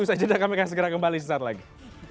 usaha jeda kami akan segera kembali sesaat lagi